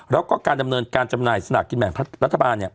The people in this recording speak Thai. แล้วก็การดำเนินการจำหน่ายสลากกินแบ่งรัฐบาล